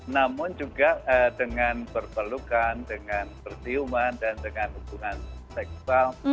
namun juga dengan berpelukan dengan persiuman dan dengan hubungan seksual